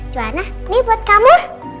jona ini buat kamu